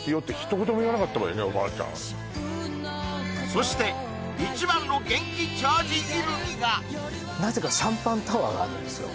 そしてなぜかシャンパンタワーがあるんですよ